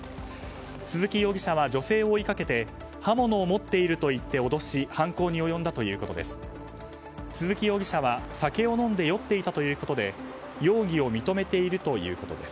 鈴木容疑者は、女性を追いかけて刃物を持っていると言って脅し犯行に及んだということです。